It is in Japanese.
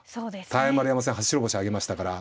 対丸山戦初白星あげましたから。